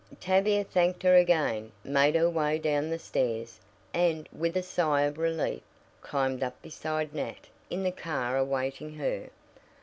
Tavia thanked her again, made her way down the stairs, and, with a sigh of relief, climbed up beside Nat in the car awaiting her.